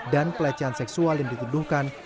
dan pelecehan seksual yang dituduhkan